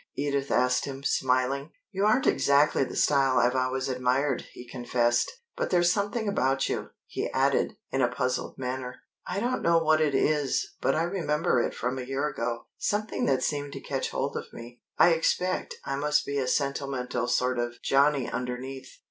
Edith asked him, smiling. "You aren't exactly the style I've always admired," he confessed, "but there's something about you," he added, in a puzzled manner, "I don't know what it is but I remember it from a year ago something that seemed to catch hold of me. I expect I must be a sentimental sort of Johnny underneath.